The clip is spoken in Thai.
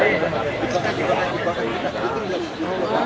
ทำไมครับคิดว่า